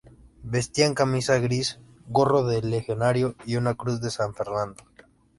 Vestían camisa gris, gorro de legionario y una cruz de San Fernando.